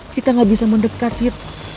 kita gak bisa mendekat gitu